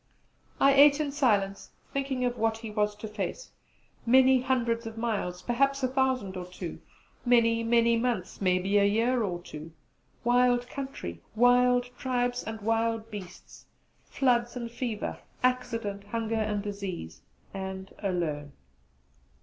I ate in silence, thinking of what he was to face: many hundreds of miles perhaps a thousand or two; many, many months maybe a year or two; wild country, wild tribes, and wild beasts; floods and fever; accident, hunger, and disease; and alone!